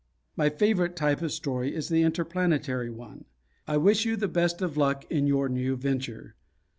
My favorite type of story is the interplanetary one. I wish you the best of luck in your new venture.